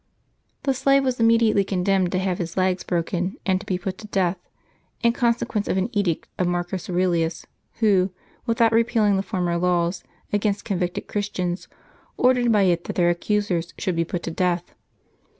The slave was immediately condemned to have his legs broken, and to be put to death, in consequence of an edict of Marcus Aurelius, who, without repealing the former laws against convicted Christians, ordered by it that their accusers should be put to death.